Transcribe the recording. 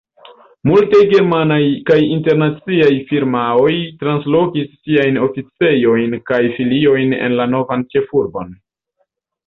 Multaj germanaj kaj internaciaj firmaoj translokis siajn oficejojn kaj filiojn en la novan ĉefurbon.